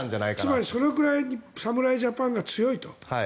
つまりそのくらい侍ジャパンが強いと。